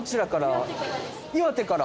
岩手から？